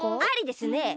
ありですね！